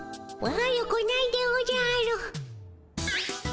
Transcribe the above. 悪くないでおじゃる。